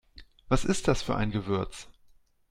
Was ist das für ein Gewürz?